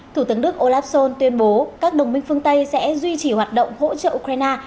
thủ tướng đức olaf scholz tuyên bố các đồng minh phương tây sẽ duy trì hoạt động hỗ trợ ukraine